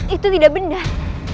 itu tidak benar